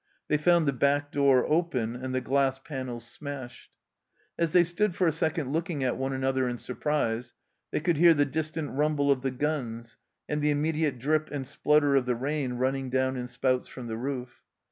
They found the back door open and the glass panels smashed. As they stood for a second looking at one another in surprise, they could hear the distant rumble of the guns and the immediate drip and splutter of the rain running down in spouts from the roof.